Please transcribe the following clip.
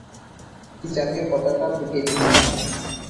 এটি জাতীয় পতাকা থেকে ভিন্ন।